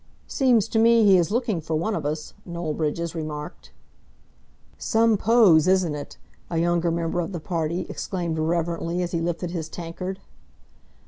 "Seems to me he is looking for one of us," Noel Bridges remarked. "Some pose, isn't it!" a younger member of the party exclaimed reverently, as he lifted his tankard.